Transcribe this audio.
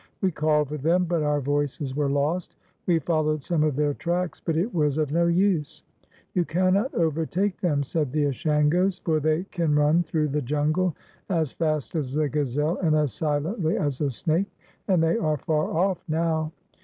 We called for them, but our voices were lost; we followed some of their tracks, but it was of no use. " You cannot overtake them," said the Ashangos, "for they can run through the jungle as fast as the gazelle and as silently as a snake, and they are far off now.